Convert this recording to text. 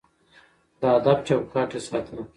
د ادب چوکاټ يې ساته.